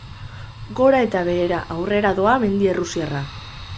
Gora eta behera aurrera doa mendi errusiarra.